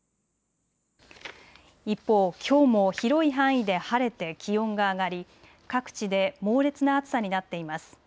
一方、きょうも広い範囲で晴れて気温が上がり各地で猛烈な暑さになっています。